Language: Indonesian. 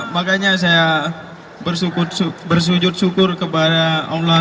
makanya saya bersujud syukur kepada allah